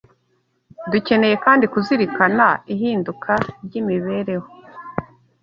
Dukeneye kandi kuzirikana ihinduka ry’imibereho